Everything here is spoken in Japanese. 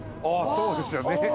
ああそうですよね。